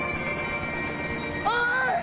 おい！